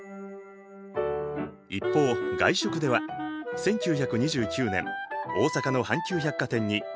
一方外食では１９２９年大阪の阪急百貨店に大食堂がオープン。